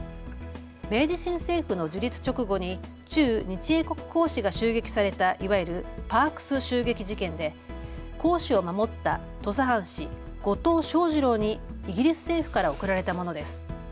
明治新政府の樹立直後に駐日英国公使が襲撃されたいわゆるパークス襲撃事件で公使を守った土佐藩士、後藤象二郎にイギリス政府から贈られたものです。